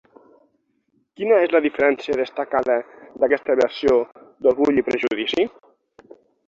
Quina és la diferència destacada d'aquesta versió d'Orgull i prejudici?